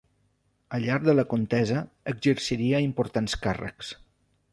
Al llarg de la contesa exerciria importants càrrecs.